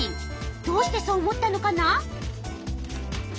どうしてそう思ったのかな？